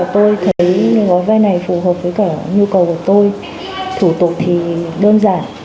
thủ tục thì đơn giản